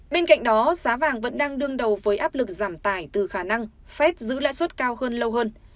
bên cạnh đó giá vàng vẫn đang đương đầu với áp lực giảm tải từ khả năng fed giữ lãi suất cao hơn lâu hơn